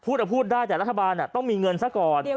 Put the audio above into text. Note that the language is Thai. พูดได้แต่รัฐบาลต้องมีเงินซะก่อน